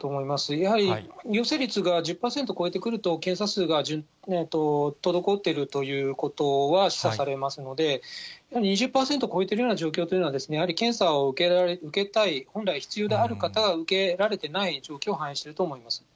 やはり陽性率が１０％超えてくると、検査数が滞ってるということは示唆されますので、２０％超えているような状況というのは、やはり検査を受けたい、本来必要である方が受けられてない状況を反映していると思います。